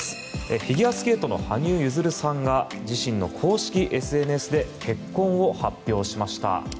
フィギュアスケートの羽生結弦さんが自身の公式ＳＮＳで結婚を発表しました。